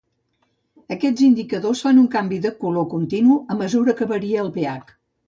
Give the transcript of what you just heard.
Aquests indicadors fan un canvi de color continu, a mesura que varia el pH.